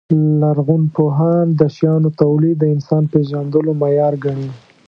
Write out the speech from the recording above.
لرغونپوهان د شیانو تولید د انسان پېژندلو معیار ګڼي.